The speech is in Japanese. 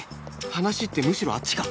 話ってむしろあっちか？